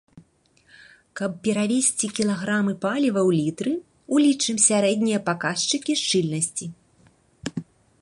Каб перавесці кілаграмы паліва ў літры, улічым сярэднія паказчыкі шчыльнасці.